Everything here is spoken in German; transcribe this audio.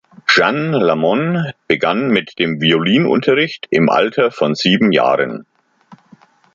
Jeanne Lamon begann mit dem Violinunterricht im Alter von sieben Jahren.